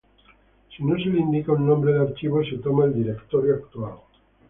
Si no se le indica un nombre de archivo, se toma el directorio actual.